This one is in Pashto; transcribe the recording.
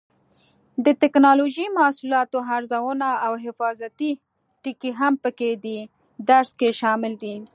د ټېکنالوجۍ محصولاتو ارزونه او حفاظتي ټکي هم په دې درس کې شامل دي.